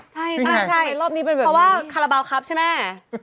ใช่ใช่รอบนี้เป็นแบบเพราะว่าคาราบาลครับใช่ไหม